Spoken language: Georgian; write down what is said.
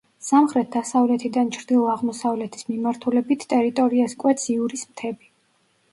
სამხრეთ-დასავლეთიდან ჩრდილო-აღმოსავლეთის მიმართულებით ტერიტორიას კვეთს იურის მთები.